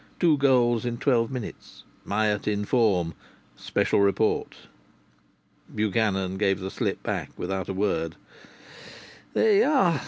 Two goals in twelve minutes. Myatt in form. Special Report." Buchanan gave the slip back without a word. "There you are!"